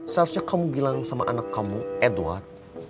seharusnya kamu bilang sama anak kamu edward